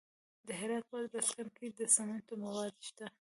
د هرات په ادرسکن کې د سمنټو مواد شته.